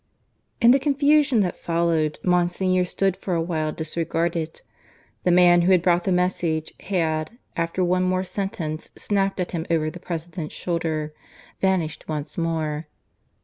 (IV) In the confusion that followed Monsignor stood for a while disregarded. The man who had brought the message, had, after one more sentence snapped at him over the President's shoulder, vanished once more.